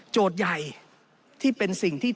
โจทย์ใหญ่ที่เป็นสิ่งที่